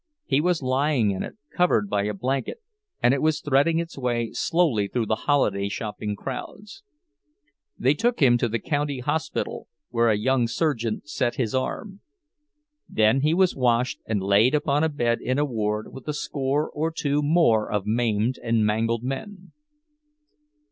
He was lying in it, covered by a blanket, and it was threading its way slowly through the holiday shopping crowds. They took him to the county hospital, where a young surgeon set his arm; then he was washed and laid upon a bed in a ward with a score or two more of maimed and mangled men.